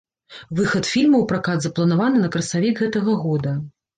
Выхад фільма ў пракат запланаваны на красавік гэтага года.